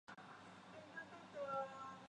曾祖父刘震乡。